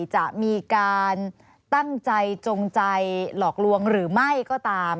จะมีการตั้งใจจงใจหลอกลวงหรือไม่ก็ตาม